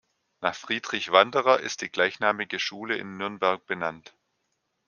Nach Friedrich Wanderer ist die gleichnamige Schule in Nürnberg benannt.